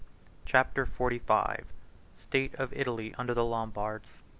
Chapter XLV: State Of Italy Under The Lombards.